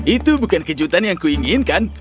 itu bukan kejutan yang kuinginkan